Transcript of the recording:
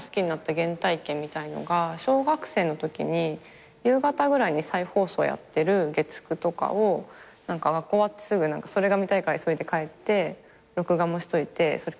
原体験みたいのが小学生のときに夕方ぐらいに再放送やってる月９とかを学校終わってすぐそれが見たいから急いで帰って録画もしといてそれ繰り返し見るみたいな。